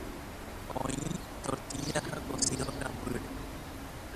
Oĩ tortilla ha cocido kambýre.